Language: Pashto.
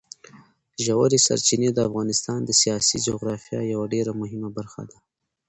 ژورې سرچینې د افغانستان د سیاسي جغرافیې یوه ډېره مهمه برخه ده.